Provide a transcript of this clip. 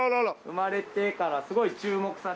生まれてからすごい注目されて。